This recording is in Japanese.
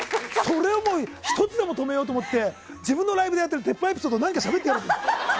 それを１つでも止めようと思って自分のライブでやってる鉄板エピソードをしゃべってやろうと。